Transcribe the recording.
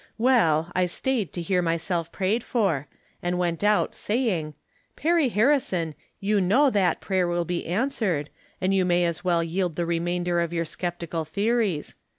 Well, I staid to hear myself prayed for, and went out, saying, " Perry Har rison, you know that prayer will be answered, £tnd you may as well yield the remainder of your skeptical theories.